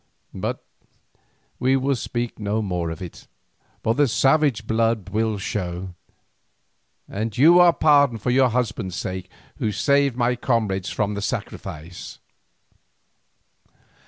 But we will speak no more of it, for the savage blood will show, and you are pardoned for your husband's sake who saved my comrades from the sacrifice."